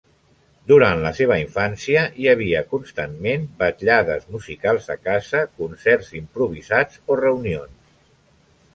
Durant la seva infància hi havia constantment vetllades musicals a casa, concerts improvisats o reunions.